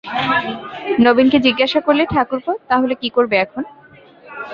নবীনকে জিজ্ঞাসা করলে, ঠাকুরপো, তা হলে কী করবে এখন?